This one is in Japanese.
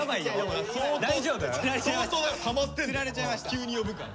急に呼ぶから。